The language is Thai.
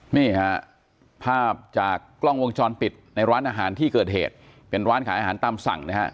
นี่ฮะภาพจากกล้องวงจรปิดในร้านอาหารที่เกิดเหตุเป็นร้านขายอาหารตามสั่งนะฮะ